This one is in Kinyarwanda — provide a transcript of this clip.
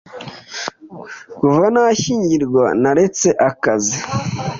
Kuva nashyingirwa, naretse akazi.